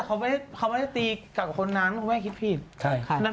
ก็ได้ตีกับคนนั้นไม่ให้เค้าพิษ